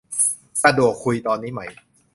สะดวกคุยตอนนี้ไหม